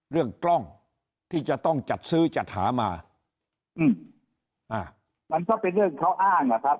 เรื่องกล้องที่จะต้องจัดซื้อจัดหามาอืมอ่ามันก็เป็นเรื่องเขาอ้างอ่ะครับ